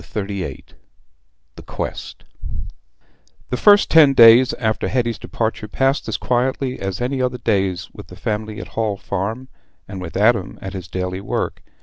Chapter XXXVIII The Quest The first ten days after Hetty's departure passed as quietly as any other days with the family at the Hall Farm, and with Adam at his daily work.